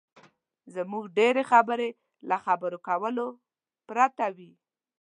زموږ ډېرې خبرې له خبرو کولو پرته وي.